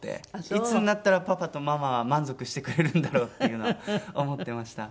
いつになったらパパとママは満足してくれるんだろうっていうのは思ってました。